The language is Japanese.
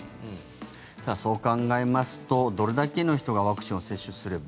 そう考えますとどれだけの人がワクチンを接種すれば。